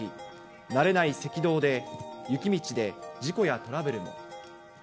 慣れない雪道で事故やトラブルも。